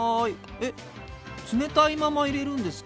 えっ冷たいまま入れるんですか？